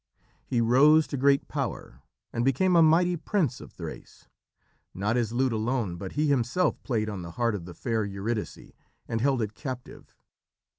He rose to great power, and became a mighty prince of Thrace. Not his lute alone, but he himself played on the heart of the fair Eurydice and held it captive.